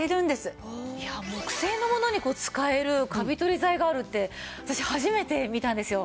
いやあ木製の物に使えるカビ取り剤があるって私初めて見たんですよ。